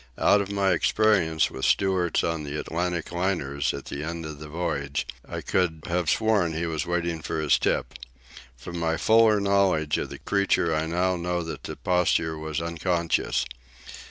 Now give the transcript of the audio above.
Out of my experience with stewards on the Atlantic liners at the end of the voyage, I could have sworn he was waiting for his tip. From my fuller knowledge of the creature I now know that the posture was unconscious.